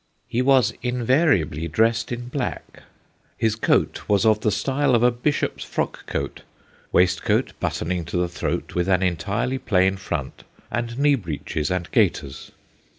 * He was invariably dressed in black. His coat was of the style of a Bishop's frock coat, waistcoat buttoning to the throat with an entirely plain front, and knee breeches and gaiters.'